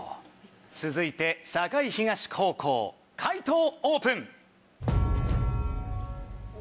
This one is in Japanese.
続いて栄東高校解答オープン！